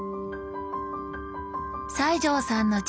西城さんの父